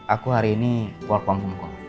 aku hari ini work panggung